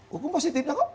hukum positif pak